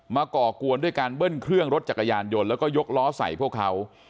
ก่อกวนด้วยการเบิ้ลเครื่องรถจักรยานยนต์แล้วก็ยกล้อใส่พวกเขา